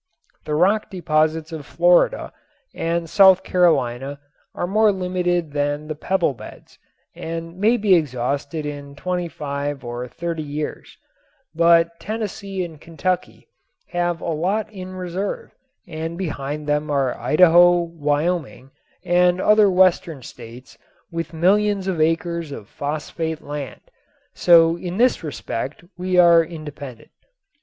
The rock deposits of Florida and South Carolina are more limited than the pebble beds and may be exhausted in twenty five or thirty years, but Tennessee and Kentucky have a lot in reserve and behind them are Idaho, Wyoming and other western states with millions of acres of phosphate land, so in this respect we are independent.